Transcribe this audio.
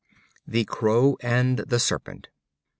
The Crow and the Serpent.